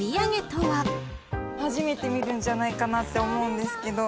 初めて見るんじゃないかなと思うんですけど。